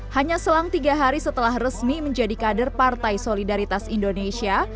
hanya selang tiga hari setelah resmi menjadi kader partai solidaritas indonesia